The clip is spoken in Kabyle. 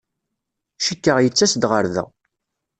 Cikkeɣ yettas-d ɣer da.